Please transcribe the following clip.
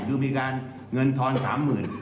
คือมีการเงินทอน๓๐๐๐บาท